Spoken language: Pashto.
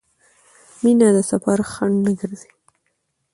مینه د سفر خنډ نه ګرځي.